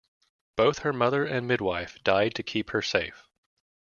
Both her mother and midwife died to keep her safe.